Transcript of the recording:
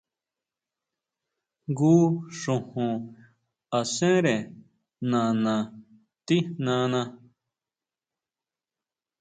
Jngu xojon asére nana tijnana.